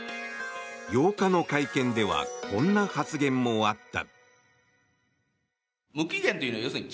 ８日の会見ではこんな発言もあった。